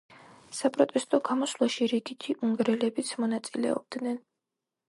საპროტესტო გამოსვლაში რიგითი უნგრელებიც მონაწილეობდნენ.